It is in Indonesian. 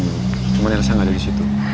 cuman elsa nggak ada di situ